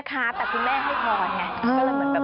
ให้รำให้เหมือนได้เงินได้ทองวันนี้ก็เลยได้อย่างจริง